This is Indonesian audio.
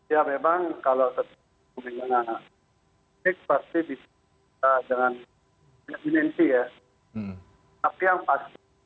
ya memang kalau seperti itu